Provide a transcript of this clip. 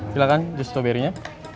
silahkan just strawberry nya